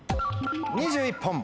２１本。